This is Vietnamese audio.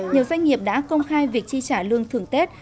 nhiều doanh nghiệp đã công khai việc chi trả lương thường tết